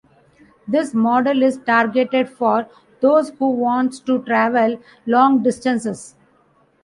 This model is targeted for those who wants to travel long distances.